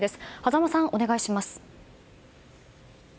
波佐間さん、お願いします。